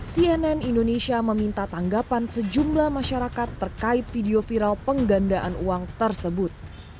cnn indonesia meminta tanggapan sejumlah masyarakat terkait video viral penggandaan uang tersebut